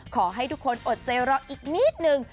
ขอให้ทุกคนอดใจรออีกนิดนึง